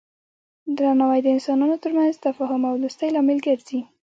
درناوی د انسانانو ترمنځ د تفاهم او دوستی لامل ګرځي.